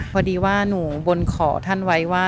พอดีว่าหนูบนขอท่านไว้ว่า